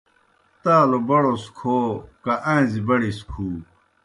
تالوْ بڑوس کھو کہ آݩزی بڑیْ سہ کُھو